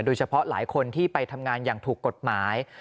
โดยเฉพาะหลายคนที่ไปทำงานอย่างถูกกฎหมาย